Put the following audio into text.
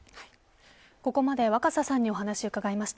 ここまで若狭さんにお話を伺いました。